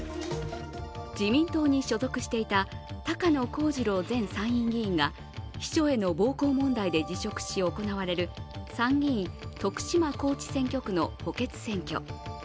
自民党に所属していた高野光二郎前参院議員が秘書への暴行問題で辞職し行われる参議院・徳島高知選挙区の補欠選挙。